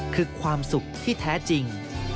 คือความสุขที่แท้จริง